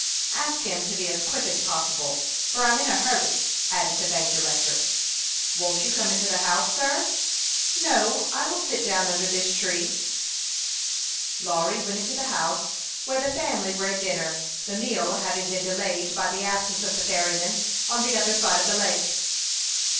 " Ask him to be as quick as possible, for I'm in a hurry," added the bank director. " Won't you come into the house, sir ?"" No, I will sit down under this tree." Lawry went into the house, where the familj THE YOUNG PILOT OF LAKE CHAMPLAIN. 29 were at dinner, the meal having been delayed By the absence of the ferryman on the other side of the lake.